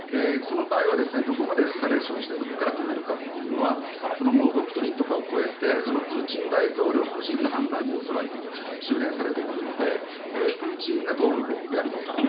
その場合はどこまでエスカレーションしてどこから止めるかというのはドクトリンとかを超えてプーチン大統領個人の判断に恐らく収れんされてくるのでプーチンがどうやるのか。